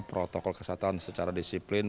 protokol kesehatan secara disiplin